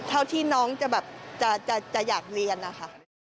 เท่าที่น้องจะแบบจะอยากเรียนนะคะ